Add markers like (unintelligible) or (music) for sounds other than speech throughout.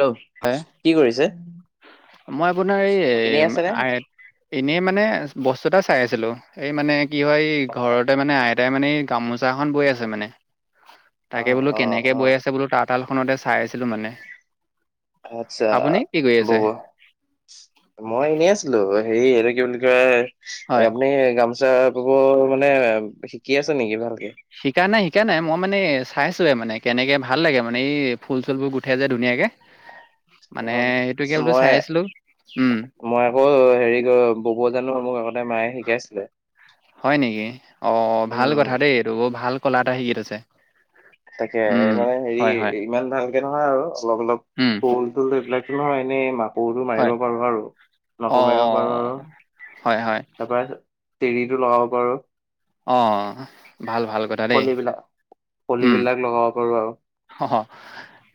Hello, কি কৰিছে? মই আপোনাৰ এই এনেই আছেনে? এনেই মানে, বস্তু এটা চাই আছিলো। এই মানে কি হয়, এই অ', ঘৰতে মানে আইতাই মানে এই গামোচা এখন বৈ আছে মানে। (inaudible) তাকে বোলো অ', কেনেকে বৈ অ', আছে বোলো তাত শাল খনতে চাই আছিলো মানে। আচ্ছা, আপুনি কি কৰি আছে বব মই এনেই আছিলো। হেৰি এইটো কি বুলি কয় হয় আপুনি গামোছা। গামোছা বব মানে শিকি আছে নেকি ভালকে? শিকা নাই শিকা নাই মই মানে চাইছোৱে মানে কেনেকে ভাল লাগে মানে এই ফুল চুলবোৰ গুঠে যে ধুনীয়াকে। (inaudible) মানে সেইটোকে বোলো মই চাই আছিলো, উম মই আকৌ হেৰি কৰ বব জানো মোক আগতে মায়ে শিকাইছিলে। হয় নেকি অ' ভাল উম, কথা দেই এইটো ভাল কলা এটা শিকি থৈছে। তাকে উম, মানে হেৰি হয় হয় ইমান ভালকে নহয় আৰু অলপ অলপ উম, ফুল (inaudible) কৰুটো হয় মাৰিব পাৰো আৰু মাকো মাৰিব পাৰো অঁ আৰু হয় হয় তাৰ পৰা তেৰিতটো লগাব পাৰো। অ' ভাল ভাল কথা দেই। ফলিবিলাক উম, পুলিবিলাক লগাব পাৰো আৰু অ'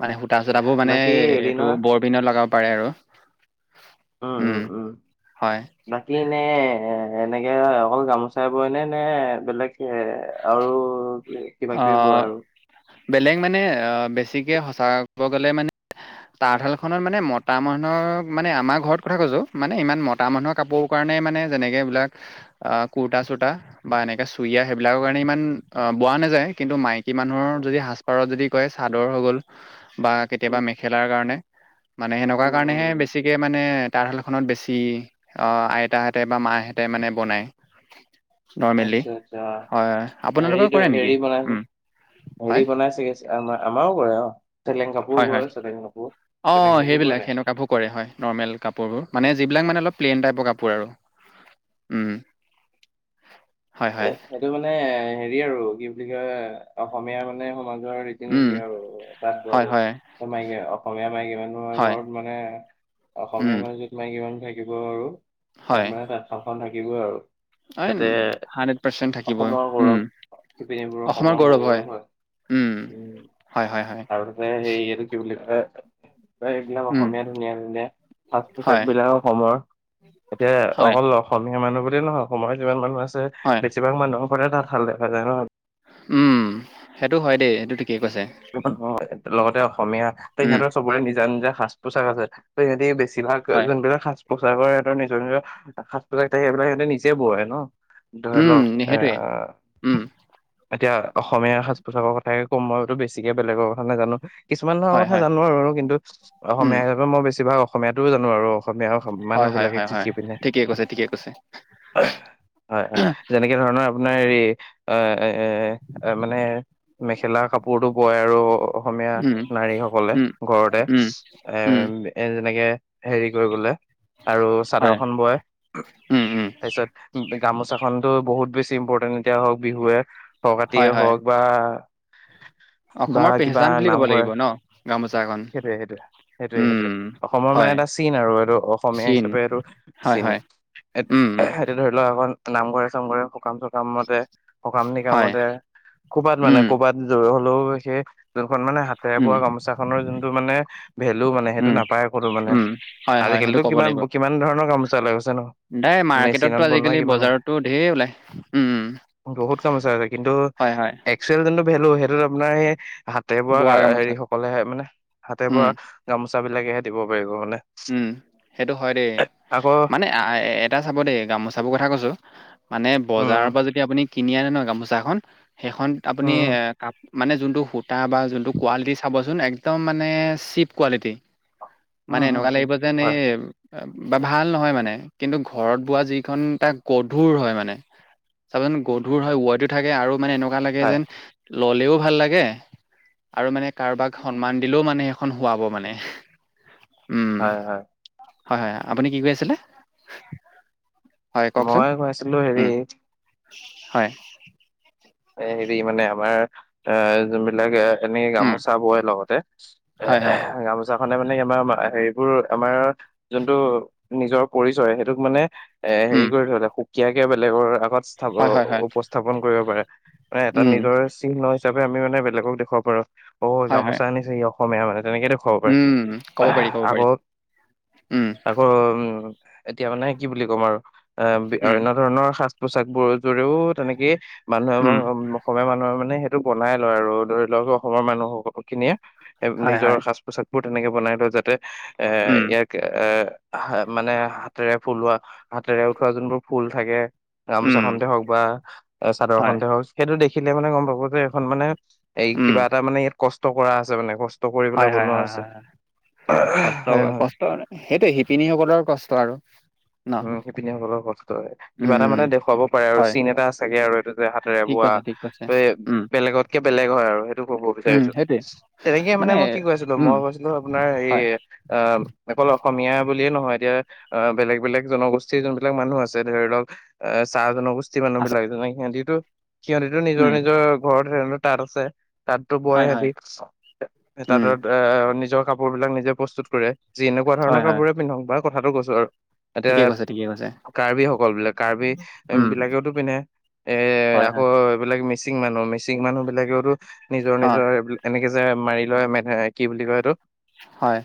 মানে সূতা- চূতাবোৰ মানে বাকী হেৰি এইটো নহয় বৰ বিনত লগাব পাৰে আৰু উম উম উম উম হয় বাকী এনে এনেকে অকল গামোচাই বইনে নে বেলেগে আৰু কিবা কিবি বয় অহ আৰু বেলেগ মানে বেছিকে সঁচাকে কব গলে মানে তাঁতখাল খন মানে মতা মানুহক মানে আমাৰ ঘৰত কথা কৈছো মানে ইমান মতা মানুহৰ কাপোৰ কাৰণে মানে, যেনেকে এইবিলাক অ', কুৰ্তা চুৰ্তা বা এনেকাে চুৰিয়া সেইবিলাকৰ কাৰণে ইমান, অ' বোৱা নাযায়, কিন্তু মাইকী মানুহৰ যদি সাজপাৰত যদি কয় চাদৰ হৈ গ'ল বা কেতিয়াবা উম মেখেলাৰ কাৰণে, মানে সেনেকুৱা কাৰণেহে উম বেছিকে মানে তাঁতশালখনত বেছি আইতাহঁতে বা মাহঁতে মানে বনায়। নৰ্মেলি, আচ্ছা আচ্ছা হয় হয় আপোনালোকক হেৰিটো হেৰি বনাইছে, হেৰি বনাই চাগে আমাৰ। আমাৰো কৰে অ' চেলেং কাপোৰ ও হয় হয় বয়, চেলেং কাপোৰ। চেলেং অ' কাপোৰ বয় সেইবিলাক, নাই সেনেকুৱাবোৰ কৰে হয়। নৰ্মেল কাপোৰবোৰ, মানে যিবিলাক মানে অলপ প্লেইন টাইপৰ কাপোৰ আৰু। উম্, হয় হয়। এইটো মানে হেৰি আৰু, কি বুলি কয় অসমীয়া মানে সমাজৰ উম আৰু তাত হয় হয় বয়, মাইকী অসমীয়া মাইকী মানুহৰ হয় ঘৰত মানে অসমীয়া উম মানুহে, য'ত মাইকী মানুহ থাকিব আৰু তাত মানে তাঁতশালখন থাকিবই আৰু। তাতে হয় প্ৰেচেনত থাকিবই, অসমৰ গৌৰৱ উম্, অসমৰ গৌৰৱ হয়, উম্ উম্। উম হয় হয় হয়। আৰু যে হেৰি, এইটো কি বুলি কয় এইবিলাক উম অসমীয়া ধুনীয়া ধুনীয়া হয় সাজ-পোচাক বিলাক অসমৰ। এতিয়া হয় অকল অসমীয়া মানুহ বুলিয়েই নহয়, অসমৰে যিমান মানুহ আছে হয় বেছিভাগ মানুহৰ ঘৰতে তাঁতশাল দেখা যায় ন'। উম্, সেইটো হয় দেই, সেইটো ঠিকেই কৈছে। লগতে অসমীয়া ত' উম সিহঁতৰ চবৰে নিজা নিজা সাজ-পোছাক আছে, ত' সিহঁতি বেছি যিবিলাক হয় যোনবিলাক সাজ-পোছাকৰ নিজৰ নিজৰ সাজ-পোছাক থাকে, সেইবিলা সিহঁতে নিজে বোৱায় ন'। ধৰি উম, লওঁক, সেইটোৱে। অ', উম, এতিয়া অসমীয়া সাজ-পোছাকৰ কথাকেই কম, মইতো বেছিকে বেলেগৰ কথা নাজানোঁ। কিছুমান ধৰণৰ হয়, কথা হয়। জানোঁ আৰু কিন্তু উম, অসমীয়া হিচাপে মই বেছিভাগ, অসমীয়াটোও জানোঁ আৰু। অসমীয়া হয়, মানুহ হয়, বিলাকে হয়, কি হয়। কি পিন্ধে? ঠিকেই কৈছে, ঠিকেই কৈছে। হয় হয়, যেনেকে ধৰণৰ আপোনাৰ হেৰি অ' অ', মানে মেখেলা কাপোৰতো বয় আৰু অসমীয়া উম, নাৰী সকলে উম, ঘৰতে উম, এ উম, এ যেনেকে হেৰি কৰি গ'লে। আৰু হয়। চাদৰখন বয়। উম, উম, তাৰপিছত টো গামোচাখন ত' বহুত বেছি ইম্পৰ্টেন্ট, এতিয়া হওঁক বিহুৱে হয়, সংক্ৰান্তিয়ে হয়। হওঁক বা বা অসমৰ কিবা পেহচান বুলি ক'ব নামঘৰ, লাগিব ন গামোচাখন? সেইটোৱে সেইটোৱে, সেইটোৱে উম, সেইটোৱে। অসমৰ মানে হয়। এটা চিন আৰু, এইটো অসমীয়া চীন, হিচাপে হয়, চিন হয়। এ। উম, উম, এতিয়া ধৰিলোৱা, এখন নামঘৰে চামঘৰে সকাম চকামতে- সকাম হয়। নিকামতে, ক'ৰবাত মানে উম, ক'ৰবাত গৈ হ'লেও, সেই যোনখন মানে হাতেৰে উম, বোৱা গামোচাখনৰ যোনটো মানে, ভেলু মানে। সেইটো উম, নাপায় ক'তো মানে। উম, হয়, হয়। সেইটো আজিকালিতো কিমান, কিমান ধৰণৰ গামোচা ওলাই গৈছে ন'। এই মেচিনত মাৰ্কেটতটো বনোৱা আজিকালি কিমান বজাৰতো ঢেৰ ওলাই। উম্ উম্। বহুত কাম আছে, কিন্তু এক যোনটো ভেলু, সেইটো আপোনাৰ সেই হাতে বোৱা হেৰি সকলে মানে, হাতে উম, বোৱা গামোচা বিলাকেহে দিব পাৰিব মানে। উম্, সেইটো হয় দেই। আকৌ মানে এটা চাব দেই, গামোচাবোৰ কথা কৈছোঁ। মানে, উম বজাৰৰ পৰা যদি আপুনি কিনি আনে ন' গামোচা খন সেইখন উম আপুনি এ- কাপ মানে যোনটো সূতা বা যোনটো কোৱালিটি চাবচোন, একদম মানে চিপ কোৱালিটি। উম মানে উম এনকা উম লাগিব যেন এ হয় এব ভাল নহয় মানে, কিন্তু ঘৰত বোৱা যি খন তাক গধুৰ হয় মানে। চাবাচোন গধুৰ উম হয় ওৱেইটো থাকে আৰু মানে এনেক কোৱা লাগে হয় যেন ল'লেও ভাল লাগে আৰু মানে কাৰোবাক উম উম সম্মান দিলও মানে সেইখন শুৱাব মানে। উম হয় হয়। হয় হয়, আপুনি কি কৈ আছিলে? হয় কওকচোন মই কৈ আছিলো হেৰি উম' হয়। এ হেৰি মানে আমাৰ অ' যোন বিলাক এ এনেকে উম গামোচা বয় লগতে হয় হয় (unintelligible) গামোচা- ছা খনে মানে আমাৰ সেইবোৰ আমাৰ যোনটো নিজৰ পৰিচয় সেইটোক মানে এ উম হেৰি কৰি থ'লে সুকীয়াকে বেলেগৰ আগত স্থাপন হয় হয় হয় উপস্থাপন কৰিব পাৰে। মানে এটা উম নিজৰ চিহ্ন হিচাপে আমি মানে বেলেগক দেখুৱা পাৰোঁ। অ' হয় হয় গামোচা আনিছে ই অসমীয়া মানে তেনেকেটো দেখুৱাব পাৰে উম, ক'ব পাৰি, ক'ব আকৌ পাৰি। উম। আ উম' এতিয়া মানে বুলি ক'ম আৰু এ উম, অন্য ধৰণৰ সা পোচাক বোৰৰ যোৰেও তেনেকেই মানুহে উম, অসমীয়া মানুহে মানে সেইটো বনাই লয় আৰু ধৰি লওক অসমৰ মানুহ খিনিয়ে এ হয়, নিজৰ হয়। সাজ পোচাকবোৰ তেনেকে বনাই লয়। যাতে এ উম। ইয়াক এ হা মানে হাতেৰে ফুলোৱা হাতেৰে উঠোৱা ফুল থাকে। গামোচা উম, খনতেই হওক বা চাদৰ হয়। খনতে হওক সেইটো দেখিলে মানে গ'ম পাব যে এখন মানে এই উম। কিবা এটা মানে ইয়াত কষ্ট কৰা আছে মানে, কষ্ট কৰি হয়, পেলাই হয়, বনোৱা হয়, হৈছে। হয়, হয়। কষ্ট, (unintelligible) হয় নে নহয়? কষ্ট সেইটোৱে শিপিনী সকলৰ কষ্ট আৰু ন? উম' শিপিনি সকলৰ কষ্ট হয়, কিবা উম। এটা দেখুৱাব পাৰে হয়, চীন এটা আছোগৈ আৰু এই যে হাতেৰে ঠিক বোৱা, কৈছে, ঠিক কৈছে। উম, বেলেগতকে বেলেগ হয় আৰু সেইটো কব উম, বিচাৰিছোঁ। সেইটোৱে তেনেকে মানে মই কি কৈ আছিলোঁ। উম, মই কৈছিলোঁ আপোনাৰ এই হয়, অ'- অকল অসমীয়া বুলিয়ে নহয় এতিয়া অ' বেলেগ বেলেগ জনগোষ্ঠীৰ যোনবিলাক মানুহ আছে ধৰি লওক এহ চাহ জনগোষ্ঠীৰ মানুহ আছে। বিলাক যেনে সিহঁতি তোৰ সিহঁতি তোৰ নিজৰ উম, নিজৰ ঘৰত সে তাত আছে। তাততো বয় হয়, হয়। হেঁতে উম, তাতত এ নিজৰ কাপোৰ বিলাক নিজে প্ৰস্তুত কৰে। যেনেকুৱা ধৰণৰ কাপোৰে পিন্ধক বা কথাটো কৈছো আৰু। ঠিক কৈছা ঠিক কৈছা। কাৰ্বি সকল বোলে। কাৰ্বি উম, বিলাকেওতো পিন্ধে, এৰ হয়, হয়। আকৌ এইবিলাক মি মিচিং মানুহ, মিচিং মানুহ বিলাকেও টো নিজৰ অ', নিজৰ এনেকে যে মাৰি লয়, মে কি বুলি কয় এইটো হয়।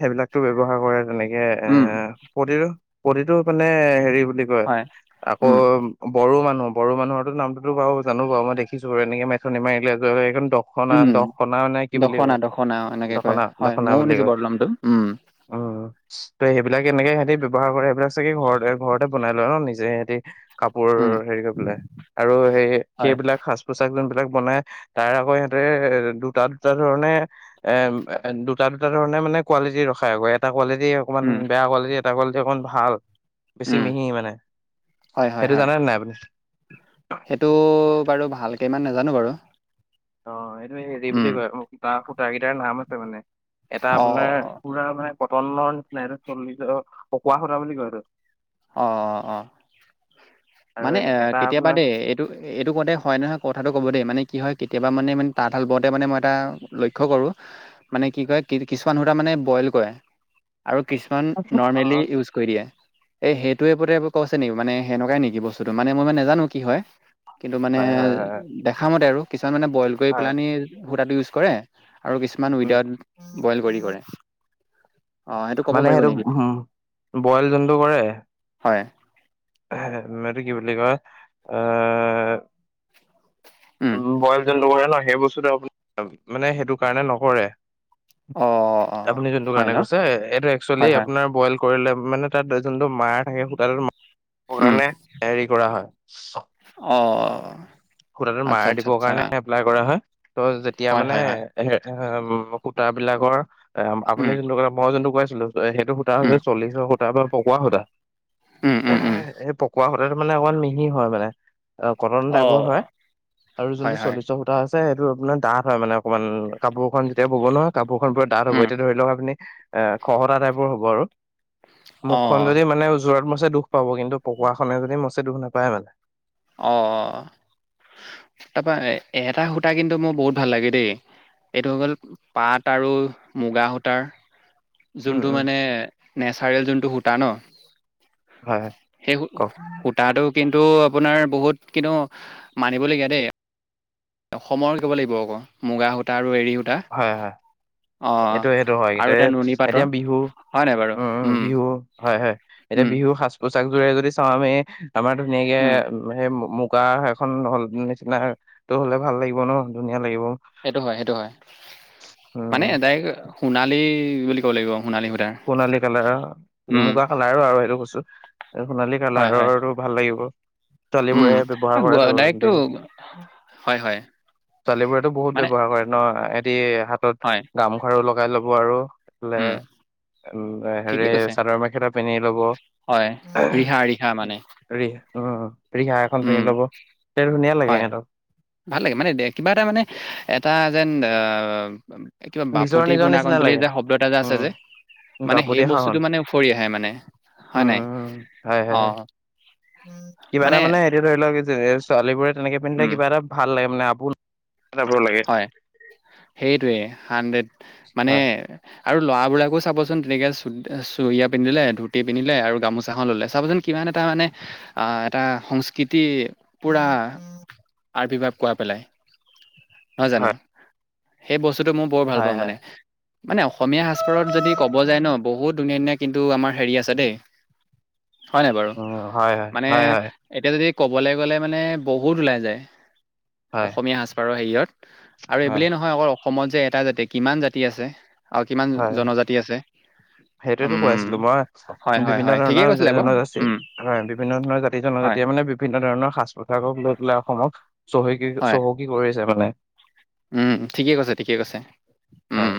সেই বিলাকতো ব্যৱহাৰ কৰে যেনেকে এ উম, প্ৰতিটো প্ৰতিটো মানে হেৰি বুলি কয় হয়। আকৌ উম, বড়ো মানুহ, বড়ো মানুহৰ নামটো ত' বাৰু জানো বাও, মই দেখিছো এনেকে মেথনে মাৰিলে জ এই খন দ দখনা উম। দখনানে কি বুলি দখনা, কয়, দখনা অ' এনেকে কয়। দখনা হয়, দখনা ময়ো বুলি শুনিছো কয়। বাৰু নামটো। উম, উম, ত' সেইবিলাকে এনেকে সেই ব্যৱহাৰ কৰে সেইবিলাক চাগে ঘৰতে ঘৰতে বনাই লয় ন নিজে সেঁতি কাপোৰ উম, হেৰি কৰি পেলাই, আৰু সেই সে‌ সেই হয়। বিলাক শা পোচাক যোনবিলাক বনাই তাৰ আকৌ ইহঁতে এ দুটা দুটা ধৰণে এম এ এন দুটা দুটা ধৰণে মানে কোৱালিটি ৰখাই গ এটা কোৱালিটি অকণমান উম, বেয়া কোৱালিটি এটা কোৱালিটি অকণমান ভাল। বেছি উম। মিহি মানে হয় হয় সেইটো হয় জানে নাই আপুনি? সেইটো বাৰু ভালকে ইমান নাজানো বাৰু। অ এইটো হেৰি বুলি উম কয় (unintelligible) সূতা, সূতাকেইটাৰ নাম আছে মানে। এটা অ আপোনাৰ অ পুৰা মানে কটনৰ নিচিনা এইটো চল্লি অ পকোৱা সূতা বুলি কয় এইটো। অ অ অ আৰু মানে এ এটা কেতিয়াবা আপোনাৰ দেই এই টো এইটো কওঁতে হয় নহয় কথাটো ক'ব দেই মানে কি হয় কেতিয়াবা মানে মানে তাঁত হাল বওঁতে মানে মই এটা লক্ষ্য কৰোঁ। মানে কি কয় কি কিছুমান সূতা মানে বইল কৰে আৰু কিছুমান নৰ্মেলি অ', ইউজ কৰি দিয়ে। এই সেইটোৱে (unintelligible) কৈছে নেকি মানে সেনেকুৱাই নেকি বস্তুটো মানে মই ইমান নেজানো কি হয়। কিন্তু মানে হয় হয় হয় দেখা মতে আৰু কিছুমান মানে বইল কৰি হয় পেলানি সূতাটো ইউজ কৰে। আৰু উম কিছুমান উম উইডাউট বইল কৰি কৰে। অ ক'ব মানে পাৰিব সেইটো নেকি হুম বইল যোনটো কৰে। হয়। হে মেটো কি বুলি কয় আ উম বইল যেন নকৰে ন সেই বস্তুটো আপ (unintelligible) মানে সেইটো কাৰণে নকৰে। অ', অ', আপুনি যোনটো হয় ন? কাৰণে কৈছে এইটো একচুৱেলি হয়, হয়, আপোনাৰ বইল কৰিলে মানে তাত যোনটো মাৰ থাকে সূতাতে (unintelligible) উম, কাৰণে হেৰি কৰা হয়। অঁ। সুতাটো মাৰ দিব কাৰণে এপ্লাই কৰা হয়, ত' যেতিয়া হয়, মানে হয়, হয়, এহে এম সূতাবিলাকৰ, এ আম উম, আপুনি যোনটো ক মই যোনটো কৈ আছিলোঁ। অ সেইটো সূতা হৈছে উম, চল্লিশৰ সূতা বা পকোৱা সূতা, উম, উম, উম, এহে সেই পকোৱা সূত ত এইটো মানে অকমান মিহি হয় মানে অ কটন টাইপৰ হয়। অ', আৰু হয়, যোনটো হয়, চল্লিশৰ সূতা আছে সেইটো আপোনাৰ ডাঠ হয় মানে অকমান কাপোৰখন যেতিয়া বব ন। কাপোৰখন পুৰা ডাঠ হ'ব উম, এতিয়া ধৰি লওক আপুনি এ খহটা টাইপৰ হ'ব আৰু। মুখখন অ', যদি মানে ওজত মছে দুখ পাব কিন্তু পকোৱাখনে যদি মছে দুখ নাপায় মানে। অ অ তাৰপৰা এ এ এটা সূতা কিন্তু মোৰ বহুত ভাল লাগে দেই। এইটো হৈ গ'ল পাট আৰু মুগা সূতাৰ। উম যোনটো উম মানে নেচাৰেল যোনটো সূতা ন। হয় হয় কওক (unintelligible) সু তাতো কিন্তু আপোনাৰ বহুত কিন্তু মানিবলগীয়া দেই। অসমৰ (unintelligible) লাগিব আকৌ মুগা সূতা আৰু এৰী সূ হয় হয়, এইটো সেইটো হয় আৰু এইটোয়ে। এটা নুনী পাটৰ, এতিয়া বিহু, হয় নাই বাৰু? উম উম বিহু হয় হয় এতিয়া উম, বিহু। সাজ পোছাক যোৰে যদি চাও আমি আমাৰ ধুনীয়াকে উম, সেই মু মুখ বা সেইখন (unintelligible) নিচিনা টো হ'লে ভাল লাগিব ন ধুনীয়া লাগিব। সেইটো হয় সেইটো হয় উম, মানে ডাইৰেক সোণালী বুলি ক'ব লাগিব সোণালী সূতাৰ। সোণালী কালাৰৰ, উম, মুগা কালাৰো আৰু সেইটো কৈছো সোণালী হয়, হয়, কালাৰৰো ভাল লাগিব। উম, ছোৱালীবোৰে আ ব্যৱহাৰ গ কৰেতো ডাইৰেক্টটো বিহু হয়, হয়, ছোৱালীবোৰেতো বহুত মানে ব্যৱহাৰ কৰে ন', এহেতি হাতত হয়। গামখাৰু লগাই ল'ব আৰু এইফালে উম, উম হেৰি ঠিকেই কৈছে। চাদৰ মেখেলা পিন্ধি ল'ব। হয় ৰিহা, ৰিহা মানে। ৰি, উম ৰিহা এখন উম, পিন্ধি ল'ব, তেনেকে ধুনীয়া লাগে হয়, সিহঁতক। ভাল লাগে মানে দে কিবা এটা মানে এটা যেন অ' কিবা নিজৰ বাপুতি নিজৰ পোনাকণ নিচিনা বুলি লাগে যে শব্দ এটা আছে উম যে মানে বাপতি সেই সাহোন বস্তুটো মানে উফৰি আহে মানে। হয় উম নাই? উম হয় হয় হয় অ' মানে এ ধৰি লওঁক এ যে এ ছোৱালীবোৰে তেনেকে পিন্ধিলে উম, কিবা এটা ভাল লাগে মানে আবোল (unintelligible) লাগে। সেইটোৱেই, হানড্ৰেড মানে হয়, আৰু ল'ৰাবিলাককো চাবচোন, তেনেকে চু চুৰিয়া পিন্ধিলে, ধুতি পিন্ধিলে আৰু গামোচাখন ল'লে চাবচোন কিমান এটা মানে, আঁ এটা, সংস্কৃতি পূৰা আৰ্ৱিভাব কোৱা পেলাই নহয় জানো? সেই বস্তুটো মই বৰ হয়, ভালপাওঁ হয়, মানে। মানে, অসমীয়া সাজ-পাৰত যদি ক'ব যায় ন'! বহুত ধুনীয়া-ধুনীয়া কিন্তু, আমাৰ সেৰি আছে দেই! হয় নাই বাৰু উম, হয়, হয়, মানে হয়, হয়, এতিয়া যদি ক'বলে গ'লে মানে বহুত ওলাই যায়। হয়, অসমীয়া সাজপাৰৰ হেৰিয়ত। আৰু এই হয়, বুলিয়েই নহয় অকল অসমত যে এটাই জাতি, কিমান জাতি আছে আৰু কিমান হয়, জনজাতি আছে। সেইটোৱেতো কৈ উম আছিলো হয় মই হয় বিভিন্ন হয় ঠিকেই ধৰণৰ কৈছিলে বাৰু জনজাতি উম, বিভিন্ন ধৰণৰ জা হয় যেতিয়া মানে বিপ বিভিন্ন ধৰণৰ সাজ, পোছাৰক লৈ পেলাই, অসমক চহক হয় চহকী কৰিছে মানে। উম, ঠিকে কৈছে, ঠিকে কৈছে, হয়, উম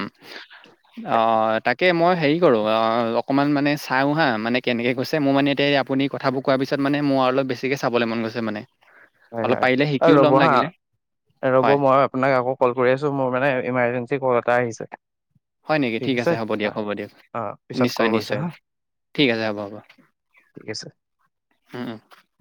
আঁহ তাক তাকে মই হেৰি কৰোঁ, আ অকণমান মানে চাওঁ হা মানে কেনেকৈ কৈছে মোৰ মানে এতিয়া এই আপুনি কথাবোৰ কোৱাৰ পিছত মানে মোৰ আৰু অলপ বেছিকে চাবলৈ মন গৈছে মানে। অলপ হয়, পাৰিলে অ' শিকিও ৰ'ব ল'ম হা, লাগিলে ৰ'ব হয় মই আপোনাক আকৌ কল কৰি আছো, মোৰ মানে ইমাৰ্জেঞ্চি কল এটা আহিছে। হয় নেকি ঠিক আছে হ'ব দিয়ক, হ'ব দিয়ক অ', পিছত নিশ্চয়, কল কৰিছো নিশ্চয়। হা ঠিক আছে। হ'ব, হ'ব। (unintelligible) উম উম